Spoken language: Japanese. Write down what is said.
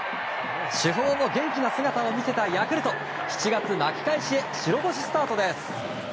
主砲も元気な姿を見せたヤクルト７月巻き返しへ白星スタートです。